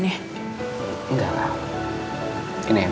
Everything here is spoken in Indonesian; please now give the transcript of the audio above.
nasi ber circa weban